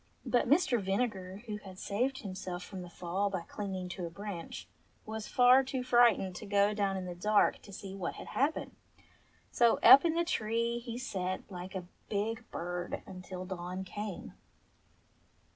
But Mr. Vinegar, who had saved himself from the fall by clinging to a branch, was far too frightened to go down in the dark to see what had happened. So up in the tree he sate like a big bird until dawn came.